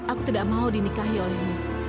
aku tidak mau dinikahi olehmu